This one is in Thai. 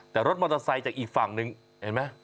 แต่รถมอเตอร์ไซค์จากอีกฝั่งนึงเห็นไหม